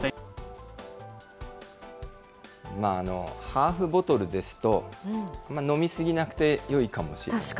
ハーフボトルですと、飲み過ぎなくてよいかもしれない。